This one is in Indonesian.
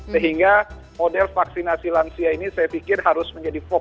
sehingga model vaksinasi lansia ini saya pikir harus menjadi fokus